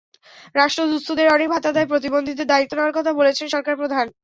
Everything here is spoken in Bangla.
রাষ্ট্র দুস্থদের অনেক ভাতা দেয়, প্রতিবন্ধীদের দায়িত্ব নেওয়ার কথা বলেছেন সরকারপ্রধান।